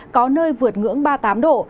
có nơi vượt ngưỡng ba mươi tám độ